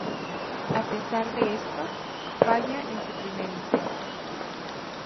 A pesar de esto, falla en su primer intento.